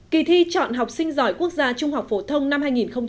kỳ thi chọn học sinh giỏi quốc gia trung học phổ thông năm hai nghìn một mươi chín